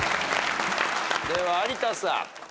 では有田さん。